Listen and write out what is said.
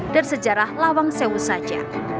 dan sejarah lawang sewu saja